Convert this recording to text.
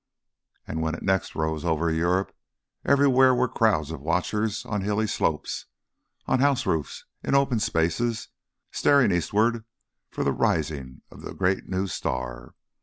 And when next it rose over Europe everywhere were crowds of watchers on hilly slopes, on house roofs, in open spaces, staring eastward for the rising of the great new star.